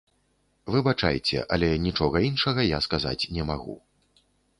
Выбачайце, але нічога іншага я сказаць не магу.